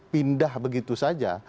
pindah begitu saja